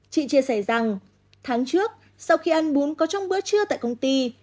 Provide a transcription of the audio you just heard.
chị chia sẻ rằng tháng trước sau khi ăn bún có trong bữa trưa tại công ty